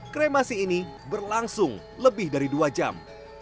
kremasi ini berlangsung lebih dari dua jam